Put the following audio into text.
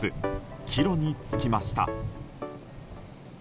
帰路に就きました。